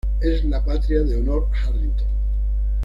Es la patria de Honor Harrington.